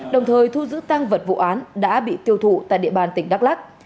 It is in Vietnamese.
đồng thời thu giữ tăng vật vụ án đã bị tiêu thụ tại địa bàn tỉnh đắk lắc